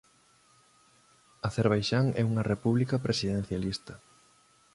Acerbaixán é unha República presidencialista.